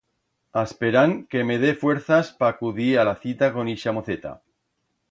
Asperand que me dé fuerzas pa acudir a la cita con ixa moceta.